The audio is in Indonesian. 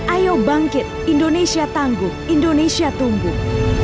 ayo bangkit indonesia tangguh indonesia tumbuh